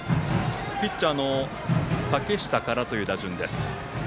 ピッチャーの竹下からという打順。